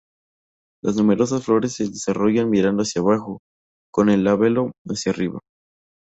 Las numerosas flores se desarrollan mirando hacia abajo, con el labelo hacia arriba.